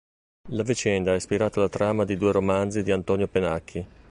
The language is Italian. La vicenda ha ispirato la trama di due romanzi di Antonio Pennacchi.